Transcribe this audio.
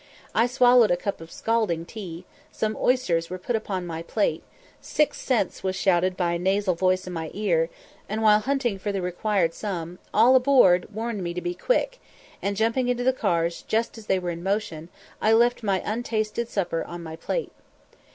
I swallowed a cup of scalding tea; some oysters were put upon my plate; "Six cents" was shouted by a nasal voice in my ear, and, while hunting for the required sum, "All aboard" warned me to be quick; and, jumping into the cars just as they were in motion, I left my untasted supper on my plate.